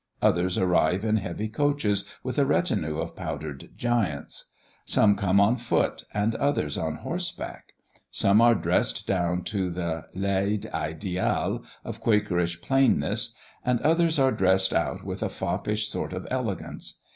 Others arrive in heavy coaches, with a retinue of powdered giants; some come on foot, and others on horseback. Some are dressed down to the laid idéal of quakerish plainness; and others are dressed out with a foppish sort of elegance.